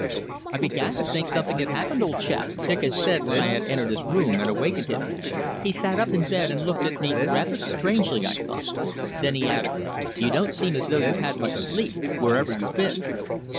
"I began to think something had happened, old chap," Dick had said when I had entered his room and awakened him. He sat up in bed and looked at me rather strangely, I thought. Then he added: "You don't seem as though you've had much sleep, wherever you've been."